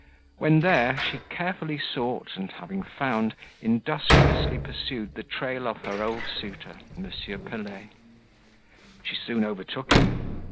When there she carefully sought, and having found, industriously pursued the trail of her old suitor, M. Pelet. She soon overtook him.